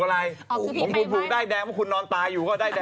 ของคุณผูกอะไร